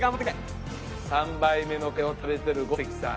３杯目のカレーを食べてる五関さん。